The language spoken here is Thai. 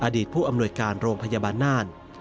ผู้อำนวยการโรงพยาบาลน่าน